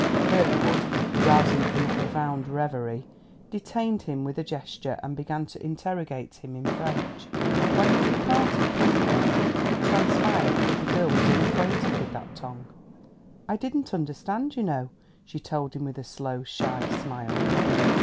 Kirkwood, rousing from a profound reverie, detained him with a gesture and began to interrogate him in French. When he departed presently it transpired that the girl was unaquainted with that tongue. "I didn't understand, you know," she told him with a slow, shy smile.